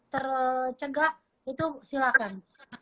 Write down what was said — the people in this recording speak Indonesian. tercegak itu silakan